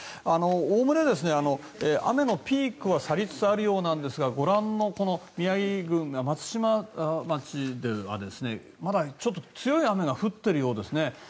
おおむね、雨のピークは去りつつあるようなんですがご覧のこの宮城郡松島町ではまだちょっと強い雨が降っているようですね。